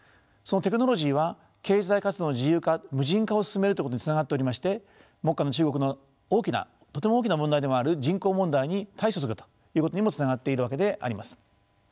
そのテクノロジーは経済活動の自由化無人化を進めるということにつながっておりまして目下の中国の大きなとても大きな問題でもある人口問題に対処するということにもつながっているわけであります。